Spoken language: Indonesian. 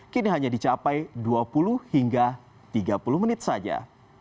kini hanya dicapai dua puluh hingga tiga puluh menit saja